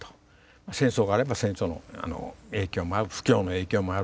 戦争があれば戦争の影響もある不況の影響もある。